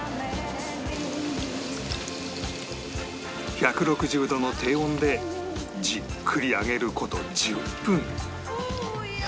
１６０度の低温でじっくり揚げる事１０分